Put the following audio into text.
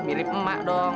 mirip emak dong